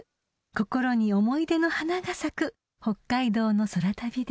［心に思い出の花が咲く北海道の空旅です］